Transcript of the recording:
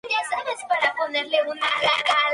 Caspar, a solas, triunfa.